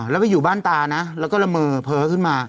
แล้วไปอยู่บ้านตานะแล้วก็ละเมอเผลอขึ้นมา